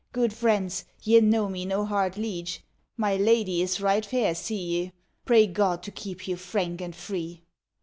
Good friends, ye know me no hard liege; My lady is right fair, see ye! Pray God to keep you frank and free.